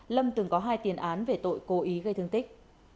lâm từng có hai tiền án về tội cố ý gây thương tích